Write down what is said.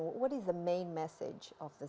dalam sebagian dari subjek saya